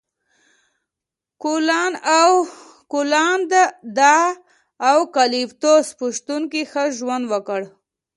کوالان د اوکالیپتوس په شتون کې ښه ژوند وکړ.